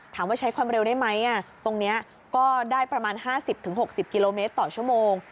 ใช้ความเร็วได้ไหมตรงนี้ก็ได้ประมาณ๕๐๖๐กิโลเมตรต่อชั่วโมง